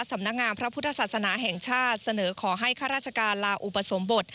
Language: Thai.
สำนักงามพระพุทธศาสนาแห่งชาติเสนอขอให้ข้าราชการลาอุปสมบท